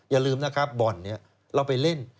อย่าลืมนะครับบ่อนนี้เราไปเล่น